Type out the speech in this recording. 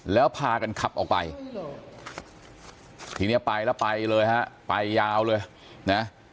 แล้วพากันขับออกไปทีนี้ไปแล้วไปเลยฮะไปยาวเลยนะ